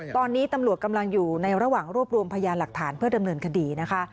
ตอนนี้ตำรวจกำลังอยู่ในระหว่างรวบรวมพยานหลักฐานเพื่อดำเนินคดีนะคะ